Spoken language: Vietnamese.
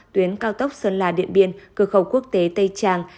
tuyến cao tốc sơn la điện biên cơ khẩu quốc tế tây tràng